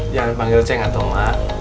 jangan panggil ceng atau enggak